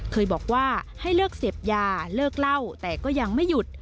เคยบอกว่าให้เลิกเสพยาเลิกเล่าแต่ก็ยังไม่หยุด